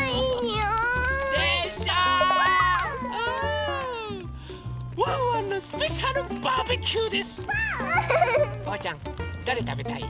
おうちゃんどれたべたい？